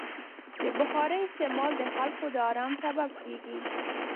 د بخارۍ استعمال د خلکو د ارام سبب کېږي.